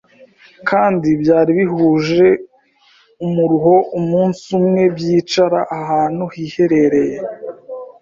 kandi byari bihuje umuruho Umunsi umwe byicara ahantu hiherereye